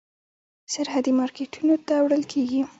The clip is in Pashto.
سرحدي مارکېټونو ته وړل کېږي.